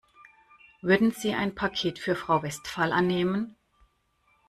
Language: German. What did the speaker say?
Würden Sie ein Paket für Frau Westphal annehmen?